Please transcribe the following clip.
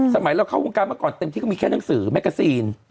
สมัยเราเข้าพศึกษากันเต็มที่ก็มีแค่หนังสือรูปธิบาย